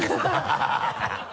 ハハハ